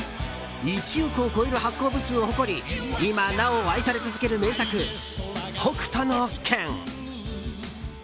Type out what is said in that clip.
１億を超える発行部数を誇り今なお愛され続ける名作「北斗の拳」。